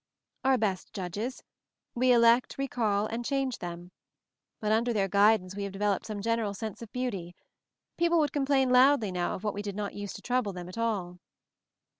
s'^Our best judges — we elect, recall and change them. But under their guidance we have developed some general sense of beauty. People would complain loudly now of what did not use to trouble them at all."